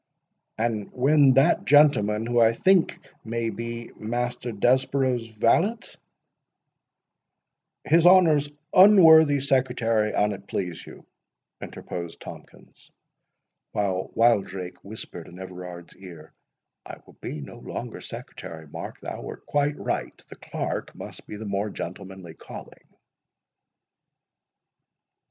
"And when that gentleman, who I think may be Master Desborough's valet"— "His honour's unworthy secretary, an it please you," interposed Tomkins; while Wildrake whispered in Everard's ear; "I will be no longer secretary. Mark, thou wert quite right—the clerk must be the more gentlemanly calling."